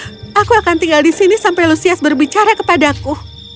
itu tidak adil aku akan tinggal di sini sampai lusias berbicara kepadaku